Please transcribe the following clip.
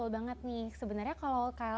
banget nih sebenarnya kalau